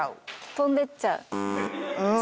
飛んでっちゃう。